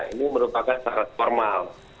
ini merupakan syarat formal